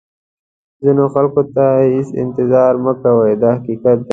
ځینو خلکو ته هېڅ انتظار مه کوئ دا حقیقت دی.